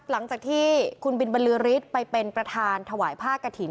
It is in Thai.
หลังจากที่คุณบินบรรลือฤทธิ์ไปเป็นประธานถวายผ้ากระถิ่น